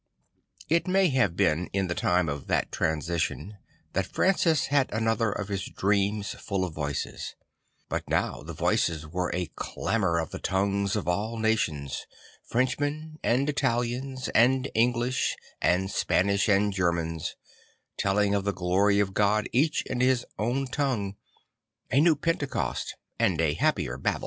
It may have been in the time of that transition that Francis had another of his dreams full of voices; but now the voices were a clamour of the tongues of all nations, Frenchmen and Italians and English and Spanish and Germans, telling of the glory of God each in his own tongue; a new Pentecost and a happier Babel.